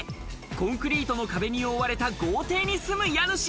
コンクリートの壁に覆われた豪邸に住む家主。